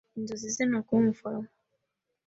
Inzozi ze ni ukuba umuforomo.